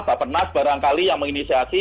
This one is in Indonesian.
bapak nas barangkali yang menginisiasi